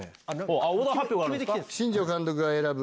新庄監督が選ぶ。